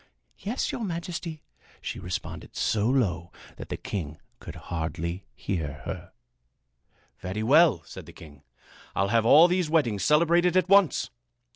"Yes, your majesty," she responded, so low that the king could hardly hear her. "Very well," said the king. "I'll have all these weddings celebrated at once."